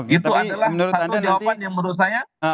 itu adalah satu jawaban yang menurut saya